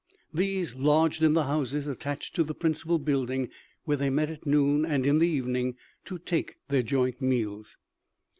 These lodged in the houses attached to the principal building, where they met at noon and in the evening to take their joint meals.